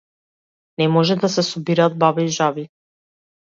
Не може да се собираат баби и жаби.